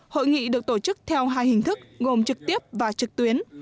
hội nghị được tổ chức theo hai hình thức gồm trực tiếp và trực tuyến